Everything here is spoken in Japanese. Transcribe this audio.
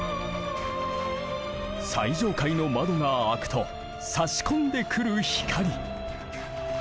最上階の窓が開くとさし込んでくる光。